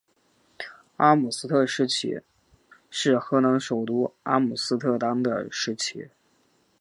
阿姆斯特丹市旗是荷兰首都阿姆斯特丹的市旗。